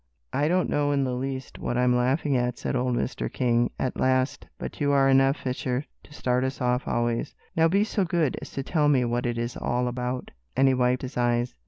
"I don't know in the least what I'm laughing at," said old Mr. King, at last, "but you are enough, Fisher, to start us off always. Now be so good as to tell me what it is all about," and he wiped his eyes.